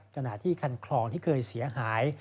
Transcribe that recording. ขณะที่คันคลองที่เคยเสียหาย